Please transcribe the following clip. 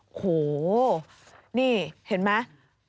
โอ้โหนี่เห็นไหม